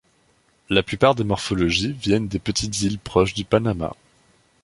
La plupart des morphologies viennent de petites îles proches du Panama.